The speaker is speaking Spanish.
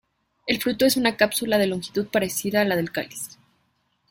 El fruto es una cápsula de longitud parecida a la del cáliz.